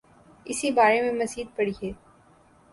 اسی بارے میں مزید پڑھیے